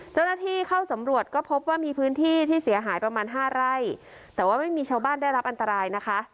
เจ้าหน้าที่เข้าสำรวจก็พบว่ามีพื้นที่ที่เสียหายประมาณห้าไร่แต่ว่าไม่มีชาวบ้านได้รับอันตรายนะคะ